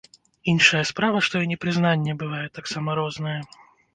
Іншая справа што і непрызнанне бывае таксама рознае.